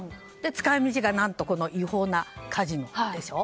使い道が違法なカジノでしょ。